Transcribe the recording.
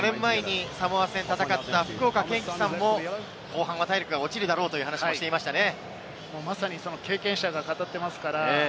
スタジオでも、４年前にサモア戦を戦った福岡堅樹さんも後半は体力が落ちるだろうという話をしていましたね。